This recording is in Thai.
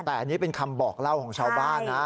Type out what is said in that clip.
แต่อันนี้เป็นคำบอกเล่าของชาวบ้านนะ